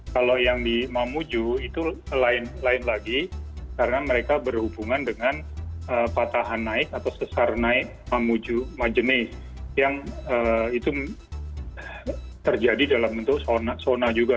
kalau yang di mamuju itu lain lagi karena mereka berhubungan dengan patahan naik atau sesar naik mamuju majene yang itu terjadi dalam bentuk zona juga